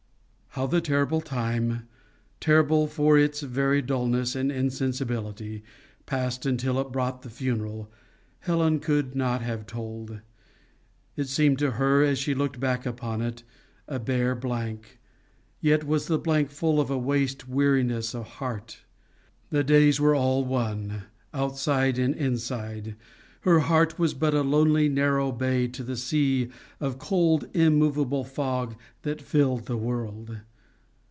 How the terrible time, terrible for its very dulness and insensibility, passed until it brought the funeral, Helen could not have told. It seemed to her, as she looked back upon it, a bare blank, yet was the blank full of a waste weariness of heart. The days were all one, outside and inside. Her heart was but a lonely narrow bay to the sea of cold immovable fog that filled the world.